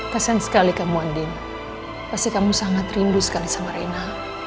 kasian sekali kamu andin pasti kamu sangat rindu sekali sama rena